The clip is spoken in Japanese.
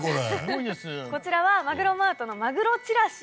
こちらはマグロマートのマグロチラシ。